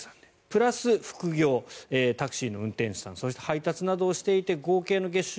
プラス副業タクシーの運転手さんそして、配達などをしていて合計の月収